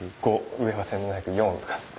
上は１，７０４とかって。